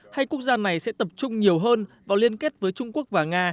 hai quốc gia này sẽ tập trung nhiều hơn vào liên kết với trung quốc và nga